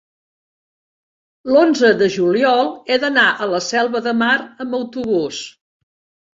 l'onze de juliol he d'anar a la Selva de Mar amb autobús.